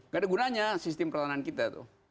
gak ada gunanya sistem pertahanan kita tuh